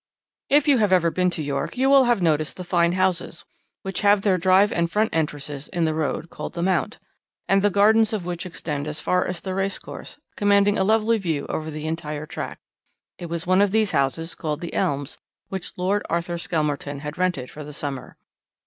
"If you have ever been to York you will have noticed the fine houses which have their drive and front entrances in the road called 'The Mount.' and the gardens of which extend as far as the racecourse, commanding a lovely view over the entire track. It was one of these houses, called 'The Elms,' which Lord Arthur Skelmerton had rented for the summer.